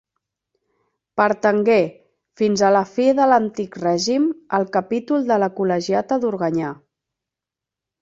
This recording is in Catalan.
Pertangué, fins a la fi de l'antic règim, al capítol de la col·legiata d'Organyà.